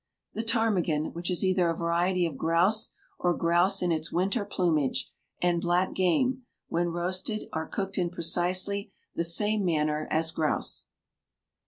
The ptarmigan, which is either a variety of grouse or grouse in its winter plumage, and black game, when roasted, are cooked in precisely the same manner as grouse.